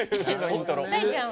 大ちゃん。